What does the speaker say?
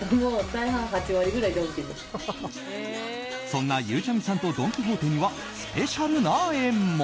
そんなゆうちゃみさんとドン・キホーテにはスペシャルな縁も。